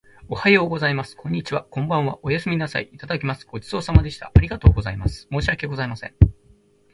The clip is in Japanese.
おはようございます。こんにちは。こんばんは。おやすみなさい。いただきます。ごちそうさまでした。ありがとうございます。申し訳ございません。